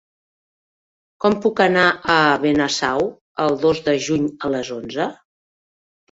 Com puc anar a Benasau el dos de juny a les onze?